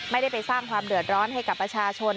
ไม่ได้ไปสร้างความเดือดร้อนให้กับประชาชน